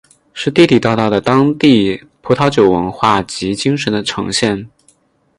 是地地道道的当地葡萄酒文化及精神的呈现。